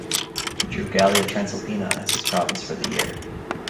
He drew Gallia Transalpina as his province for the year.